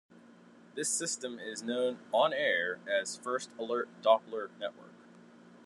This system is known on-air as "First Alert Doppler Network".